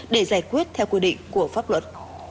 để giải quyết theo quy định của pháp luật